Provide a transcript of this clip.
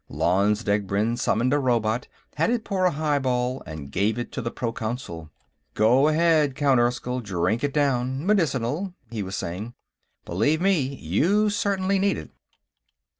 Lanze Degbrend summoned a robot, had it pour a highball, and gave it to the Proconsul. "Go ahead, Count Erskyll; drink it down. Medicinal," he was saying. "Believe me you certainly need it."